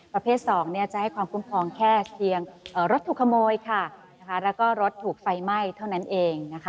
ประเภท๒จะให้ความคุ้มครองแค่เพียงรถถูกขโมยค่ะแล้วก็รถถูกไฟไหม้เท่านั้นเองนะคะ